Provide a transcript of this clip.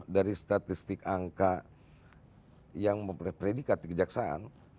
dua ribu dua puluh dari statistik angka yang mempredikat kejaksaan